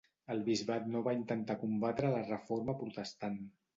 El bisbat no va intentar combatre la Reforma Protestant.